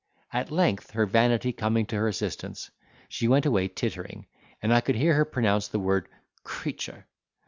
At length, her vanity coming to her assistance, she went away tittering, and I could hear her pronounce the word 'creature!